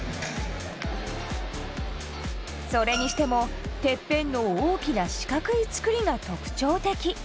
それにしてもてっぺんの大きな四角い作りが特徴的。